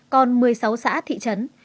còn một mươi sáu xã thị trấn